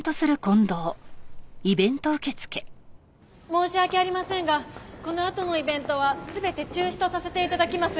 申し訳ありませんがこのあとのイベントは全て中止とさせて頂きます。